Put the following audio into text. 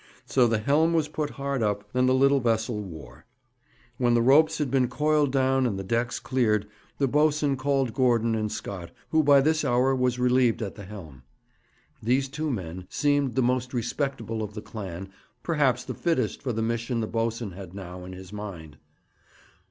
So the helm was put hard up, and the little vessel wore. When the ropes had been coiled down and the decks cleared, the boatswain called Gordon and Scott, who by this hour was relieved at the helm. These two men seemed the most respectable of the clan, perhaps the fittest for the mission the boatswain had now in his mind.